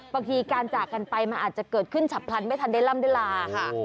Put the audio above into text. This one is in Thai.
บางทีการจากกันไปมันอาจจะเกิดขึ้นฉับพลันไม่ทันได้ล่ำได้ลาค่ะ